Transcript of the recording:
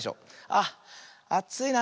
あっあついな。